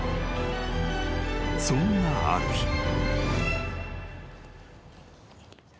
［そんなある日］